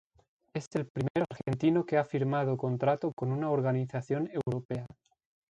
Es el primer argentino que ha firmado contrato con una organización europea.